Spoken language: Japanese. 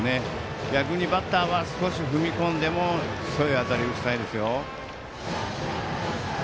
逆にバッターは少し踏み込んでも強い当たりを打ちたいですよ。